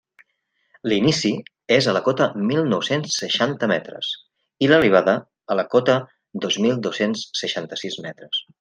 L'inici és a la cota mil nou-cents seixanta metres, i l'arribada, a la cota dos mil dos-cents seixanta-sis metres.